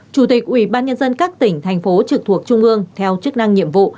tám chủ tịch ubnd các tỉnh thành phố trực thuộc trung ương theo chức năng nhiệm vụ